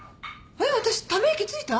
えっ私ため息ついた？